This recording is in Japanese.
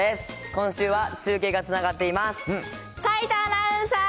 今週は中継がつながっています。